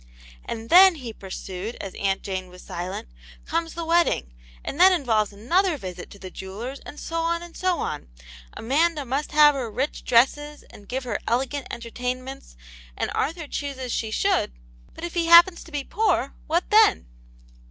" And then," he pursued, as Aunt Jane was silent, " comes the wedding ! and that involves another visit to the jeweller's, and so on and so on ; Amanda must have her rich dresses and give her elegant entertainments, and Arthur chooses she should; but if he happens to be poor, what then